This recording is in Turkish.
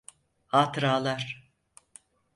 Hatıralar.